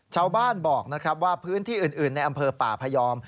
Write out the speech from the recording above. ชาวบ้านบอกนะครับว่าพื้นที่อื่นในอำเภอป่าพยอม